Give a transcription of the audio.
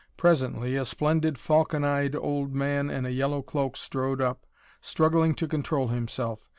Presently a splendid falcon eyed old man in a yellow cloak strode up, struggling to control himself.